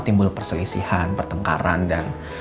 timbul perselisihan pertengkaran dan